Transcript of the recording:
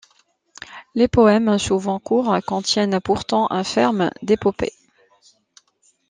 Les poèmes, souvent courts, contiennent pourtant un ferment d'épopée.